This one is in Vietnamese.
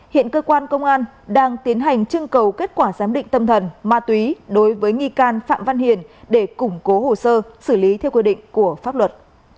hiện cơ quan công an đang tiến hành trưng cầu kết quả giám định tâm thần ma túy đối với nghi can phạm văn hiền để củng cố hồ sơ xử lý theo quy định của pháp luật